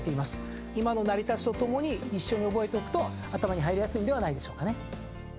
今の成り立ちと共に一緒に覚えておくと頭に入りやすいんではないでしょうか。